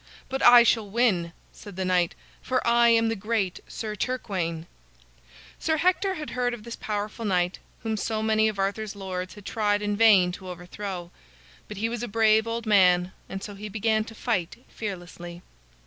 "But I shall win," said the knight, "for I am the great Sir Turquaine." Sir Hector had heard of this powerful knight whom so many of Arthur's lords had tried in vain to overthrow. But he was a brave old man, and so he began to fight fearlessly.